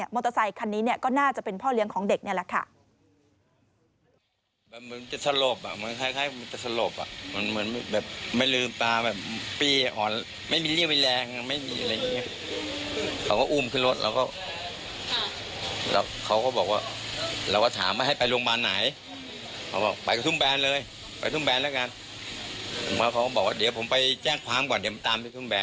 เตอร์ไซคันนี้ก็น่าจะเป็นพ่อเลี้ยงของเด็กนี่แหละค่ะ